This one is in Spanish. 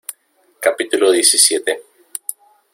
capítulo diecisiete.